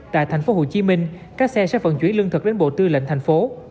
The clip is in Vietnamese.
tại thành phố hồ chí minh các xe sẽ vận chuyển lương thực đến bộ tư lệnh thành phố